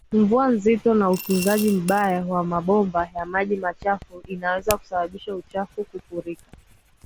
Mvua nzito na utunzaji mbaya wa mabomba ya maji machafu inaweza kusababisha uchafu kufurika